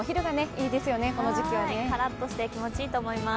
からっとして気持ちいいと思います。